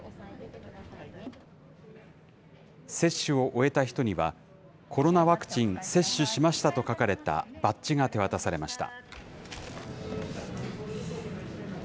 接種を終えた人には、コロナワクチン接種しましたと書かれたバッジが手渡されました。